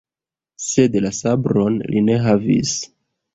Sed la sabron li ne havis!